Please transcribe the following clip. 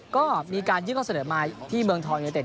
ก็มีการยื่นข้อเสนอมาที่เมืองทองยูเนเต็